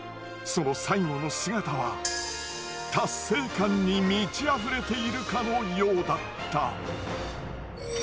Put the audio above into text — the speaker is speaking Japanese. その最後の姿は達成感に満ちあふれているかのようだった。